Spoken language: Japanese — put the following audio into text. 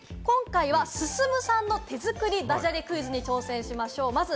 そして今回はすすむさんの手作りダジャレクイズに挑戦しましょう。